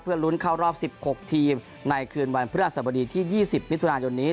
ลุ้นเข้ารอบ๑๖ทีมในคืนวันพฤหัสบดีที่๒๐มิถุนายนนี้